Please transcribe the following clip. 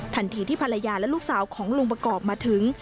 ทันทีที่ภรรยาและลูกสาวของลุงประกอบมาถึง